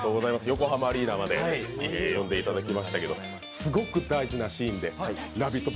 横浜アリーナまで呼んでいただきましたけどすごく大事なシーンでラヴィット！